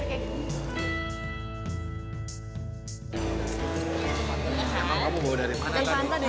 emang kamu bawa dari mana tadi